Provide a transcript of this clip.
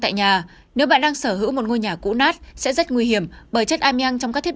tại nhà nếu bạn đang sở hữu một ngôi nhà cũ nát sẽ rất nguy hiểm bởi chất ameang trong các thiết